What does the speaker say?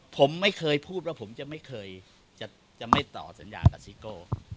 ผมไม่เคยพูดว่าผมจะไม่เคยจะไม่ต่อสัญญากับซิโก้